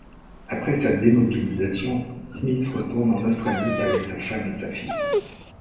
Après sa démobilisation, Smith retourne en Australie avec sa femme et sa fille.